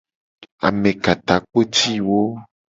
Amekatakpotiwo.